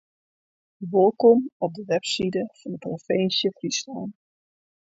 Wolkom op de webside fan de provinsje Fryslân.